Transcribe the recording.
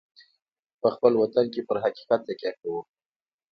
په خپل وطن کې پر حقیقت تکیه کوو.